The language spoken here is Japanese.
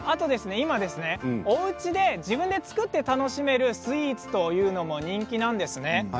今、おうちで自分で作って楽しめるスイーツというのも人気なんです。